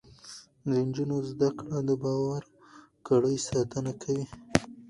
د نجونو زده کړه د باور کړۍ ساتنه کوي.